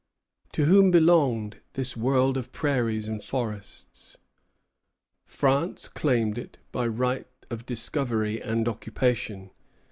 To whom belonged this world of prairies and forests? France claimed it by right of discovery and occupation.